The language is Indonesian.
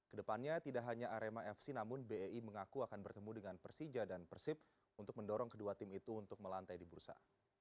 kedepannya tidak hanya arema fc namun bei mengaku akan bertemu dengan persija dan persib untuk mendorong kedua tim itu untuk melantai di bursa